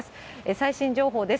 最新情報です。